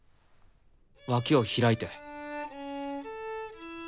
脇を開いて。